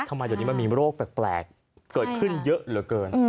ทำไมเดี๋ยวนี้มันมีโรคแปลกเกิดขึ้นเยอะเหลือเกิน